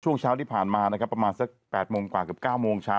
ช่วงเช้าที่ผ่านมาประมาณ๘โมงกว่าคือ๙โมงเช้า